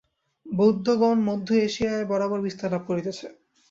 বৌদ্ধগণ মধ্য-এশিয়ায় বরাবর বিস্তারলাভ করিতেছে।